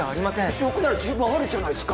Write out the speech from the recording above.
証拠なら十分あるじゃないっすか。